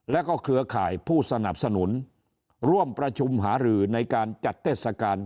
แล้วก็เครือข่ายผู้สนับสนุนร่วมประชุมหารือในการจัดเทศกาล